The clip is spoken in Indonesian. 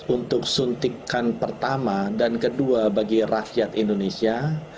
untuk suntikan pertama dan kedua bagi rakyat indonesia